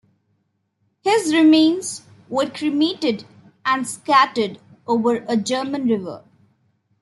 His remains were cremated and scattered over a German river.